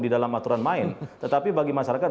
di dalam aturan main tetapi bagi masyarakat